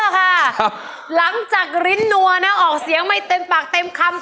หลังจากลิ้นนัวนะออกเสียงไม่เต็มปากเต็มคำ